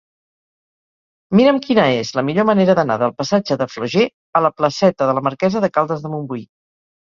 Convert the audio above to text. Mira'm quina és la millor manera d'anar del passatge de Flaugier a la placeta de la Marquesa de Caldes de Montbui.